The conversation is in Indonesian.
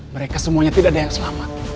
mereka semuanya tidak ada yang selamat